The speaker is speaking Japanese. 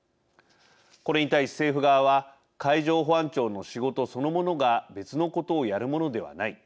これに対し政府側は海上保安庁の仕事そのものが別のことをやるものではない。